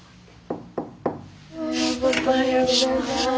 おはようございます。